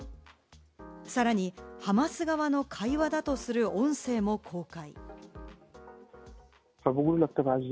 さらにハマス側の会話だとする音声も公開。